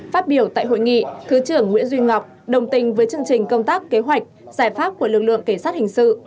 phát biểu tại hội nghị thứ trưởng nguyễn duy ngọc đồng tình với chương trình công tác kế hoạch giải pháp của lực lượng cảnh sát hình sự